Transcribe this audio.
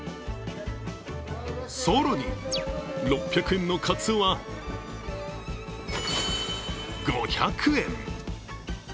更に、６００円のかつおは５００円。